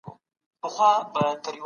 دوی خپل هدف په نښه کړی و.